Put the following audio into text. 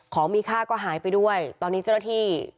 ของมีค่าก็หายไปด้วยตอนนี้เจ้าหน้าที่